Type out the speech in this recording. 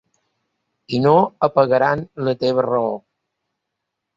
I no apagaran la teva raó.